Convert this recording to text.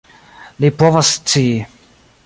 Li povas scii.